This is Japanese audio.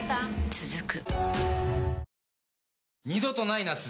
続く